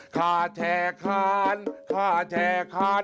ข้าแช่ค้านข้าแช่ค้าน